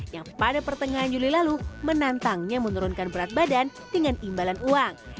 yang pada pertengahan juli lalu menantangnya menurunkan berat badan dengan imbalan uang